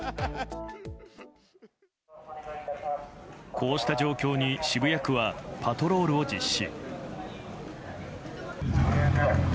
こうした状況に渋谷区はパトロールを実施。